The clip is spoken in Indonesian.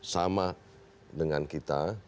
sama dengan kita